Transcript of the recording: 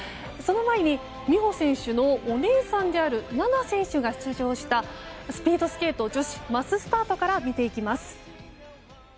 その前に美帆選手のお姉さんである菜那選手が出場したスピードスケート女子マススタートから見ていきます。